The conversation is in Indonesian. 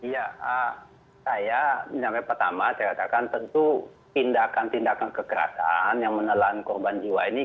ya saya menyampaikan pertama saya katakan tentu tindakan tindakan kekerasan yang menelan korban jiwa ini